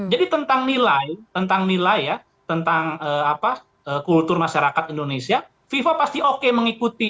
jadi tentang nilai tentang nilai ya tentang apa kultur masyarakat indonesia fifa pasti oke mengikuti